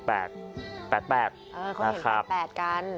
แปด